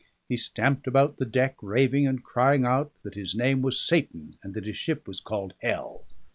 He stamped about the deck, raving and crying out that his name was Satan, and his ship was called Hell.